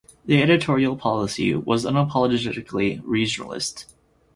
The editorial policy was unapologetically regionalist.